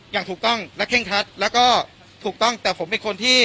อย่างถูกต้องและเคร่งครัดแล้วก็ถูกต้องแต่ผมเป็นคนที่